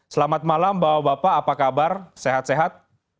selamat malam bapak bapak apa kabar sehat sehat